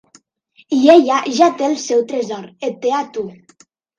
I ella ja té el seu tresor: et té a tu.